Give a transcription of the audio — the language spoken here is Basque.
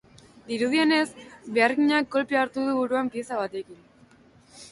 Dirudienez, beharginak kolpea hartu du buruan pieza batekin.